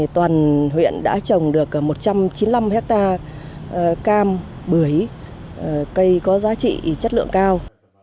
toàn huyện đã trồng được một trăm chín mươi năm hectare cam bưởi cây có giá trị chất lượng cao